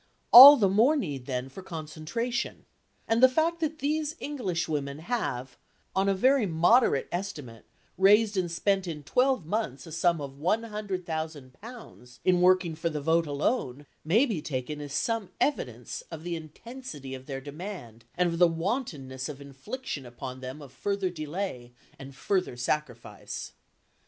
All the more need, then, for concentration, and the fact that these Englishwomen have, on a very moderate estimate, raised and spent in twelve months a sum of £100,000 in working for the vote alone, may be taken as some evidence of the intensity of their demand and of the wantonness of infliction upon them of further delay and further sacrifice.